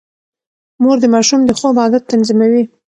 مور د ماشوم د خوب عادت تنظيموي.